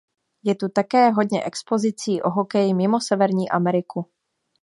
Je tu také hodně expozicí o hokeji mimo Severní Ameriku.